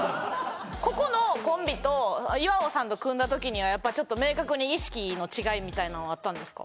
ここのコンビと岩尾さんと組んだ時にはやっぱりちょっと明確に意識の違いみたいなのはあったんですか？